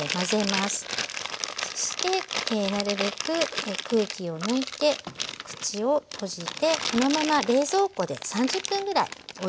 そしてなるべく空気を抜いて口を閉じてこのまま冷蔵庫で３０分ぐらいおいておきます。